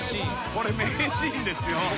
これ名シーンですよ。